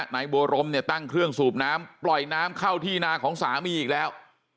นายบัวรมเนี่ยตั้งเครื่องสูบน้ำปล่อยน้ำเข้าที่นาของสามีอีกแล้ว